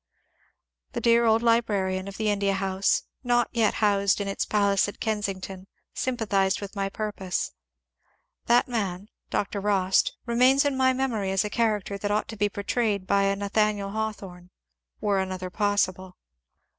The dear old librarian of the India House, not yet housed in its palace at Kensington, sympathized with my purpose. That man, Dr. Bost, remains in my memory as a character that THE SACRED ANTHOLOGY 329 ought to be portrayed by a Nathaniel Hawthorne — were another possible.